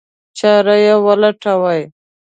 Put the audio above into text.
چاره یې ولټوي.